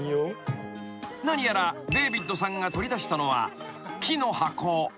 ［何やらデービッドさんが取り出したのは木の箱］